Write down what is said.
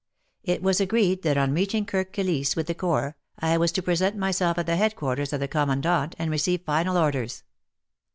It was agreed that on reaching Kirk Kilisse with the Corps, I was to present myself at the headquarters of the Commandant and receive final orders.